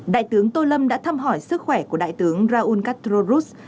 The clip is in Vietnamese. đại tướng tô lâm đã thăm hỏi sức khỏe của đại tướng raúl castro ruz